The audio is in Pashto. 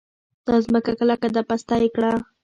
دا ځمکه کلکه ده؛ پسته يې کړه.